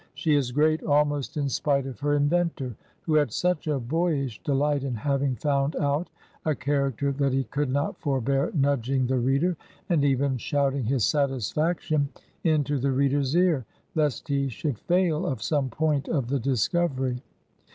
She is great almost in spite of her inventor, who had such a boyish delight in having found out a character that he could not forbear nudg ing the reader, and even shouting his satisfaction into the reader's ear, lest he should fail of some point of the discovery.